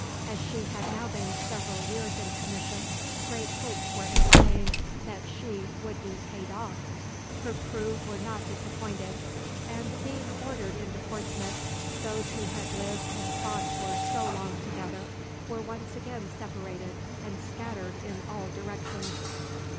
As she had now been several years in commission, great hopes were entertained that she would be paid off. Her crew were not disappointed; and, being ordered into Portsmouth, those who had lived and fought for so long together were once again separated and scattered in all directions.